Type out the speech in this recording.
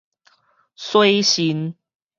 洗腎